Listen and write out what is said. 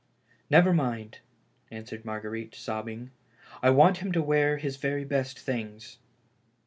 "Never mind," answered Marguerite, sobbing. "I want him to wear his very best things."